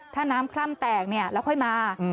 ถ้าน้ำคล่ำแตกเนี่ยแล้วค่อยมา